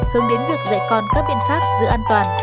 hướng đến việc dạy con các biện pháp giữ an toàn